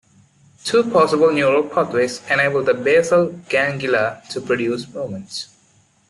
Two possible neural pathways enable the basal ganglia to produce movement.